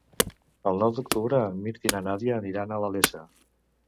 El nou d'octubre en Mirt i na Nàdia aniran a la Iessa.